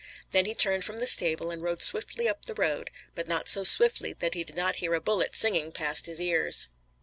Then he turned from the stable and rode swiftly up the road, but not so swiftly that he did not hear a bullet singing past his ears.